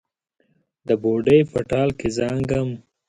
د بوډۍ په ټال کې زانګم